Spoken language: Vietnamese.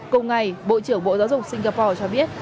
cùng ngày bộ trưởng bộ giáo dục singapore cho biết